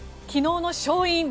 昨日の勝因